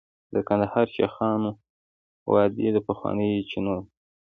د کندهار شیخانو وادي د پخوانیو چینو ده